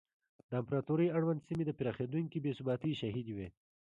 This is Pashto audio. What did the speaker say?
د امپراتورۍ اړونده سیمې د پراخېدونکې بې ثباتۍ شاهدې وې.